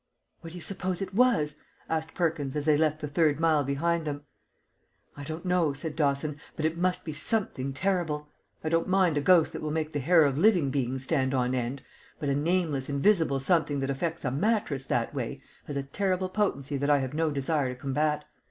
"What do you suppose it was?" asked Perkins, as they left the third mile behind them. "I don't know," said Dawson; "but it must be something terrible. I don't mind a ghost that will make the hair of living beings stand on end, but a nameless invisible something that affects a mattress that way has a terrible potency that I have no desire to combat.